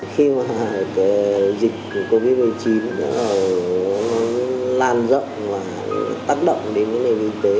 khi mà dịch covid một mươi chín nó lan rộng và tác động đến cái nền y tế